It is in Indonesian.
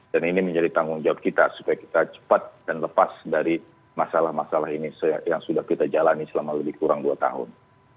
ini menjadi tanggung jawab kita supaya kita cepat dan lepas dari masalah masalah ini yang sudah kita jalani selama lebih kurang dua tahun